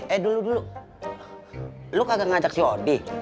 eh dulu dulu lo kagak ngajak si odi